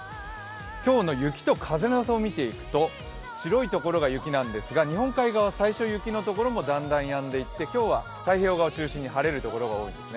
今日の雪と風の予想を見ていくと、白いところが雪なんですが日本海側、最初雪の所もだんだんやんでいって今日は太平洋側を中心に晴れる所が多いですね。